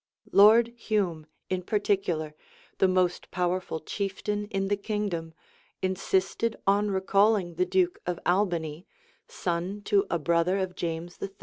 Lord Hume in particular, the most powerful chieftain in the kingdom, insisted on recalling the duke of Albany, son to a brother of James III.